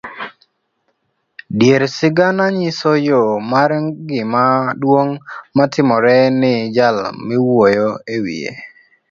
Dier sigana nyiso yoo mar gima duong' matimore ni jal miwuyo iwiye.